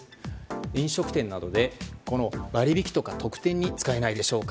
飲食店などで割引とか特典に使えないでしょうか。